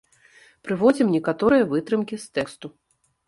Прыводзім некаторыя вытрымкі з тэксту.